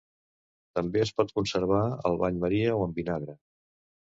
També es pot conservar al bany maria o en vinagre.